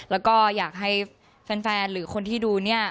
แล้วก็อยากให้แฟนหรือคนที่ดูเนี่ย